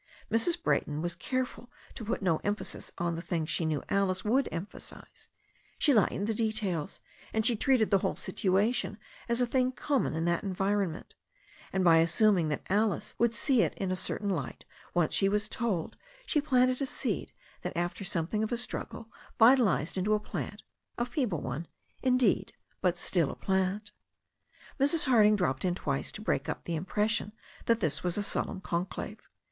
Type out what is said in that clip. Mrs. Bra)rton was care ful to put no emphasis on the things she knew Alice would emphasize; she lightened the details and she treated the whole situation as a thing common in that environment; and, by assuming that Alice would see it in a certain light once she was told, she planted a seed that after something of a struggle vitalized into a plant, a feeble one, indeed, but still a plant. Mrs. Harding dropped in twice to break up the impres sion that this was a solemn conclave.